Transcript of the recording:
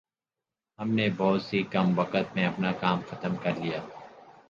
ھم نے بہت ہی کم وقت میں اپنا کام ختم کرلیا